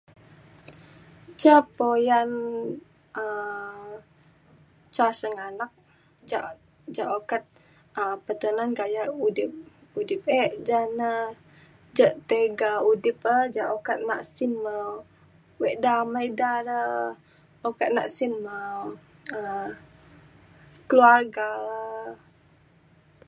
ca puyan um ca sengganak ca ja ukat um peteneng gayak udip udip e ja na ja tiga udip e ja ukat nak sin me wek da amai da le ukat nak sin me um keluarga e